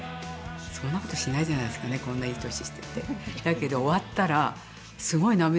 そんなことしないじゃないですかこんないい年してて。